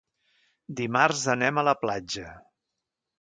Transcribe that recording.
Dimarts anem a la platja.